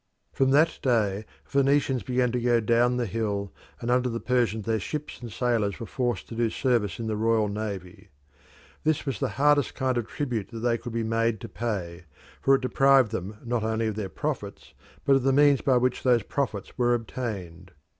From that day the Phoenicians began to go down the hill, and under the Persians their ships and sailors were forced to do service in the royal navy. This was the hardest kind of tribute that they could be made to pay, for it deprived them not only of their profits but of the means by which those profits were obtained.